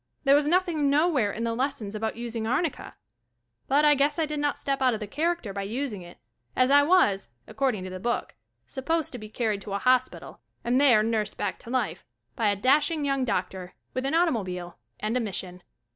There was nothing nowhere in the lessons about using arnicka, but I guess I did not step out of the character by using it as I was, according to the book, supposed to be car ried to a hospital and there nursed back to life, by a dashing young doctor, with an automobile and a mission.